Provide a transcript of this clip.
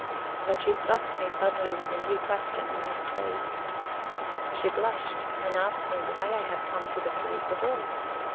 But she stopped me suddenly with a new question, and I stayed. She blushed, and asked me why I had come to the place at all?